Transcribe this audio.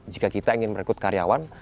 jika kita ingin merekrut karyawan